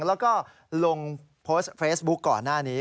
แล้วก็ลงโพสต์เฟซบุ๊คก่อนหน้านี้